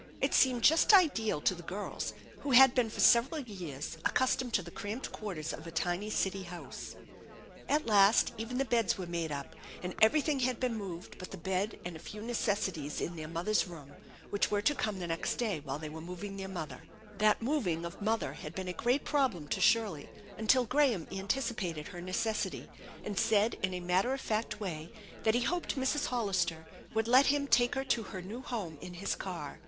It seemed just ideal to the girls, who had been for several years accustomed to the cramcod quarters of a tiny city house. At last even the beds were made up, and everything had been moved but the bed and a few necessities in their mother's room, which were to come the next day while they were moving their mother. 112 THE ENCHANTED BARN That moving of mother had been a great problem to Shirley until Graham anticipated her necessity, and said in a matter of fact way that he hoped Mrs. Hollister would let him take her to her new home in his car.